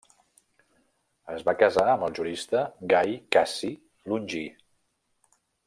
Es va casar amb el jurista Gai Cassi Longí.